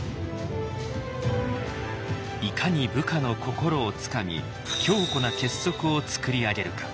いかに部下の心をつかみ強固な結束をつくり上げるか。